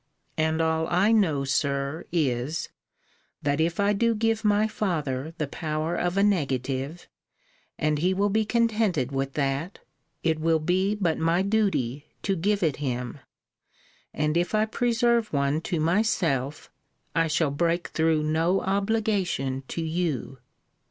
And all I know, Sir, is, that if I do give my father the power of a negative, and he will be contented with that, it will be but my duty to give it him; and if I preserve one to myself, I shall break through no obligation to you.